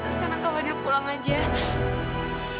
kalau sebenarnya kak fadil itu bukan ayah dari bayi yang kami lakuin